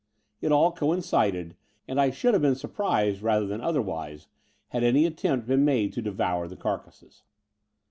It all coincided; and I should have been surprised, rather than otherwise, had any attempt been made to devour the carcasses.